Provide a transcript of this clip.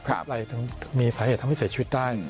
อะไรถึงมีสาเหตุทำให้เสียชีวิตได้